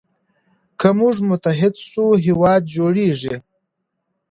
که موږ متحد سو هېواد جوړیږي.